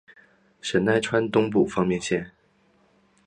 神奈川东部方面线。